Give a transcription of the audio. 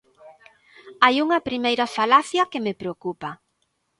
Hai unha primeira falacia que me preocupa.